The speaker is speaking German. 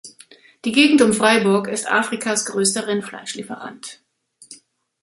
Die Gegend um Vryburg ist Afrikas größter Rindfleisch-Lieferant.